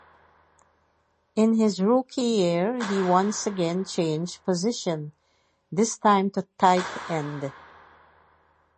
In his rookie year he once again changed positions, this time to tight end.